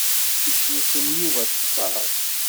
Tisellet n Yuba texser.